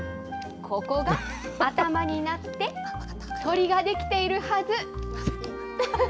ここが頭になって、鳥が出来ているはず。